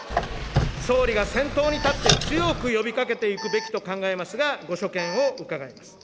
総理が先頭に立って強く呼びかけていくべきと考えますが、ご所見を伺います。